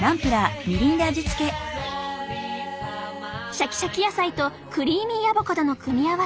シャキシャキ野菜とクリーミーアボカドの組み合わせ